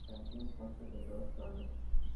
La votación consta de dos rondas.